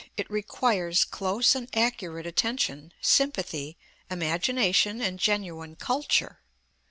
It requires close and accurate attention, sympathy, imagination and genuine culture.